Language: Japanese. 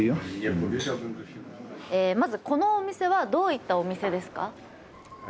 まずこのお店はどういったお店ですか？